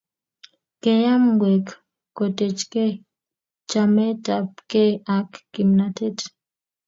Keam ngwek kotechei chametapkei ak kimnatet